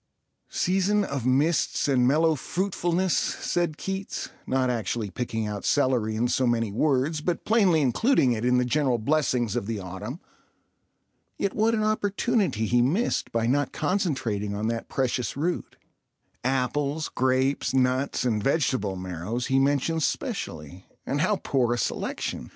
"Season of mists and mellow fruitfulness," said Keats, not actually picking out celery in so many words, but plainly including it in the general blessings of the autumn. Yet what an opportunity he missed by not concentrating on that precious root. Apples, grapes, nuts, and vegetable marrows he mentions specially—and how poor a selection!